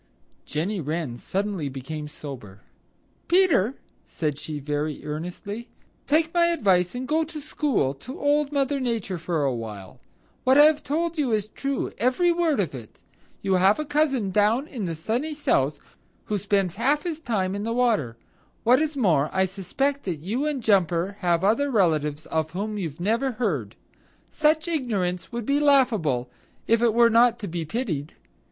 Jenny Wren suddenly became sober. "Peter," said she very earnestly, "take my advice and go to school to Old Mother Nature for awhile. What I have told you is true, every word of it. You have a cousin down in the Sunny South who spends half his time in the water. What is more, I suspect that you and Jumper have other relatives of whom you've never heard. Such ignorance would be laughable if it were not to be pitied.